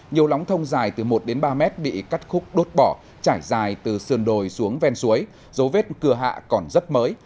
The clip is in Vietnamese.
nhiều lóng thông dài từ một đến ba mét bị cắt khúc đốt bỏ trải dài từ sườn đồi xuống ven suối dấu vết cưa hạ còn rất mới